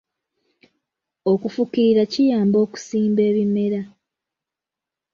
Okufukirira kiyamba okusimba ebimera.